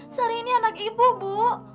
sorry ini anak ibu bu